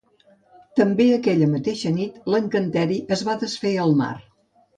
També, aquella mateixa nit l'encanteri es va desfer al mar.